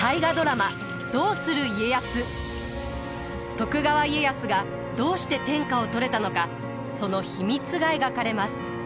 徳川家康がどうして天下を取れたのかその秘密が描かれます。